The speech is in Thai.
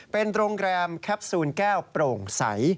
เป็นโรงแรมแคปซูลแก้วโปร่งใส